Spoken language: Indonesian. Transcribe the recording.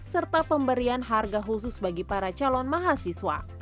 serta pemberian harga khusus bagi para calon mahasiswa